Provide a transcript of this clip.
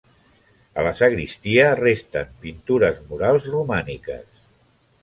A la sagristia resten pintures murals romàniques.